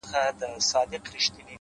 o د کسمیر لوري د کابل او د ګواه لوري،